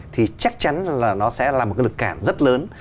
thì chắc chắn là nó sẽ là một cái lực cản rất lớn